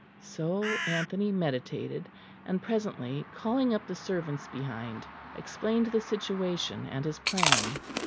So Anthony meditated; and presently, calling up the servants behind, explained the situation and his plan.